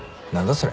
それ。